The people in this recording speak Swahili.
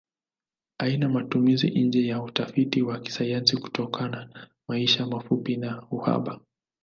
Haina matumizi nje ya utafiti wa kisayansi kutokana maisha mafupi na uhaba.